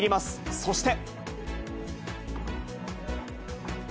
そして。